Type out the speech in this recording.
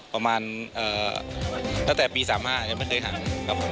ประมาณตั้งแต่ปี๓๕ยังไม่เคยห่างครับผม